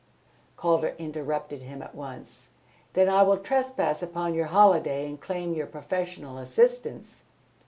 Calder interrupted him at once. "Then I will trespass upon your holiday and claim your professional assistance."